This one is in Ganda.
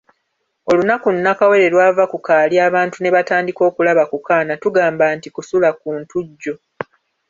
Olunaku Nakawere lw’ava ku kaali abantu ne batandika okulaba ku kaana tugamba nti kusula ku Ntujjo.